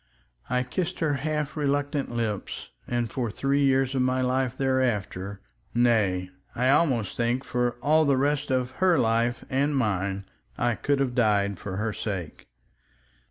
I kissed her half reluctant lips, and for three years of my life thereafter—nay! I almost think for all the rest of her life and mine—I could have died for her sake.